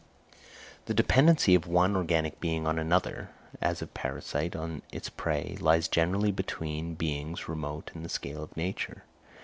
The dependency of one organic being on another, as of a parasite on its prey, lies generally between beings remote in the scale of nature.